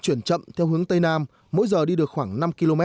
chuyển chậm theo hướng tây nam mỗi giờ đi được khoảng năm km